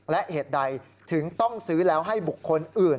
และเหตุใดถึงต้องซื้อแล้วให้บุคคลอื่น